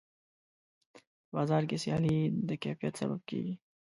په بازار کې سیالي د کیفیت سبب کېږي.